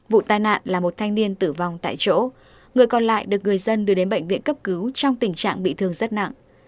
vụ tai nạn là một thanh niên tử vong tại chỗ người còn lại được người dân đưa đến bệnh viện cấp cứu trong tình trạng bị thương rất nặng